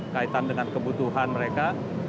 kaitan dengan kebutuhan mereka